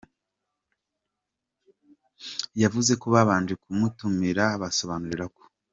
Yavuze ko babanje kumuhitamo abasobanurira ko